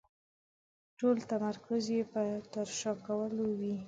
ټول تمرکز يې په ترسره کولو وي.